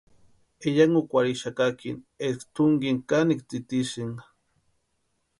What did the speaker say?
Eyankukwarhixakakini eska tʼunkini kanikwa tsítisïnka.